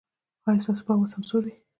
ایا ستاسو باغ به سمسور وي؟